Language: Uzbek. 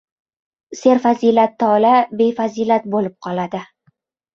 Serfazilat tola befazilat bo‘lib qoladi!